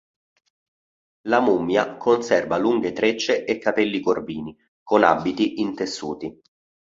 La mummia conserva lunghe trecce e capelli corvini, con abiti intessuti.